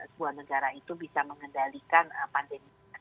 sebuah negara itu bisa mengendalikan pandemi